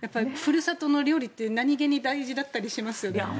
ふるさとの料理って何げに大事だったりしますね。